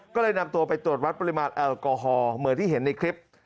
ก็เลยนำตัวไปตรวจวัดปริมาณแอลกอฮอลเหมือนที่เห็นในคลิป